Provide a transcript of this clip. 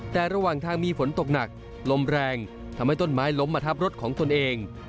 แต่ระหว่างทางมีฝนตกหนักลมแรงทำให้ต้นไม้ล้มมาทับรถของตนเอง